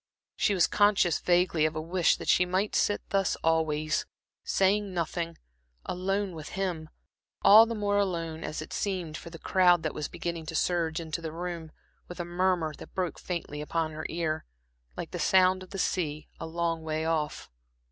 She was conscious vaguely of a wish that she might sit thus always, saying nothing, alone with him all the more alone as it seemed for the crowd that was beginning to surge into the room, with a murmur that broke faintly upon her ear, like the sound of the sea a long way off.